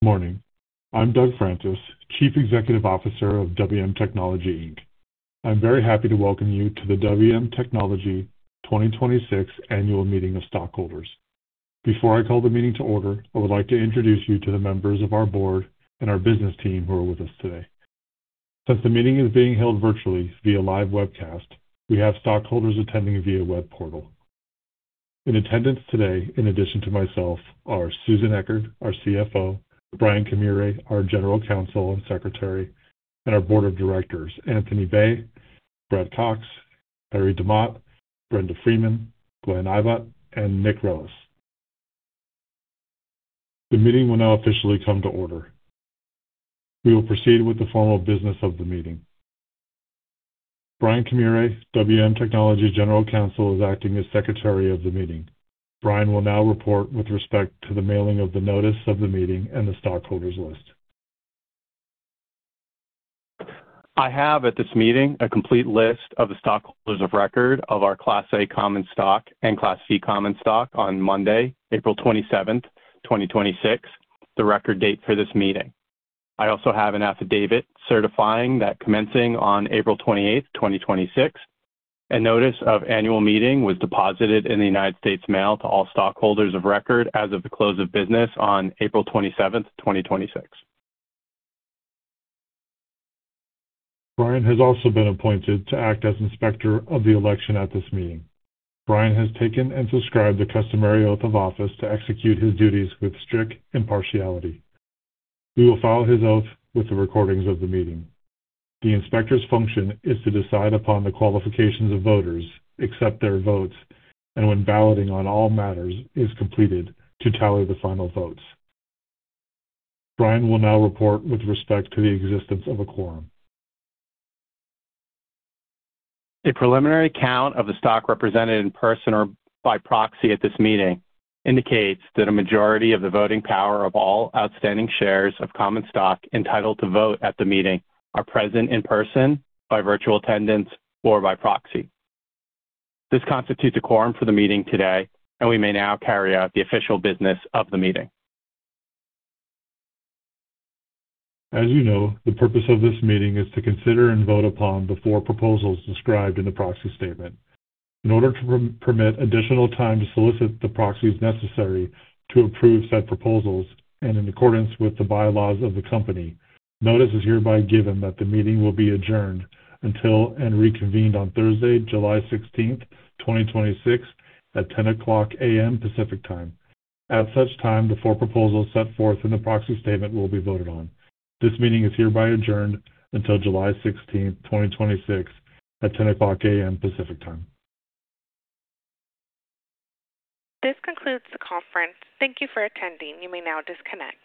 Morning. I'm Doug Francis, Chief Executive Officer of WM Technology, Inc. I'm very happy to welcome you to the WM Technology 2026 Annual Meeting of Stockholders. Before I call the meeting to order, I would like to introduce you to the members of our board and our business team who are with us today. Since the meeting is being held virtually via live webcast, we have stockholders attending via web portal. In attendance today, in addition to myself, are Susan Echard, our CFO, Brian Camire, our General Counsel and Secretary, and our Board of Directors, Anthony Bay, Brent Cox, Harry DeMott, Brenda Freeman, Glen Ibbott, and Nick Rellas. The meeting will now officially come to order. We will proceed with the formal business of the meeting. Brian Camire, WM Technology General Counsel, is acting as Secretary of the meeting. Brian will now report with respect to the mailing of the notice of the meeting and the stockholders list. I have at this meeting a complete list of the stockholders of record of our Class A common stock and Class V common stock on Monday, April 27th, 2026, the record date for this meeting. I also have an affidavit certifying that commencing on April 28th, 2026, a notice of annual meeting was deposited in the United States Mail to all stockholders of record as of the close of business on April 27th, 2026. Brian has also been appointed to act as Inspector of the election at this meeting. Brian has taken and subscribed the customary oath of office to execute his duties with strict impartiality. We will file his oath with the recordings of the meeting. The inspector's function is to decide upon the qualifications of voters, accept their votes, and when balloting on all matters is completed, to tally the final votes. Brian will now report with respect to the existence of a quorum. A preliminary count of the stock represented in person or by proxy at this meeting indicates that a majority of the voting power of all outstanding shares of common stock entitled to vote at the meeting are present in person, by virtual attendance, or by proxy. This constitutes a quorum for the meeting today, and we may now carry out the official business of the meeting. As you know, the purpose of this meeting is to consider and vote upon the four proposals described in the proxy statement. In order to permit additional time to solicit the proxies necessary to approve said proposals, and in accordance with the bylaws of the company, notice is hereby given that the meeting will be adjourned until and reconvened on Thursday, July 16th, 2026, at 10 A.M. Pacific Time. At such time, the four proposals set forth in the proxy statement will be voted on. This meeting is hereby adjourned until July 16th, 2026, at 10 A.M. Pacific Time. This concludes the conference. Thank you for attending. You may now disconnect.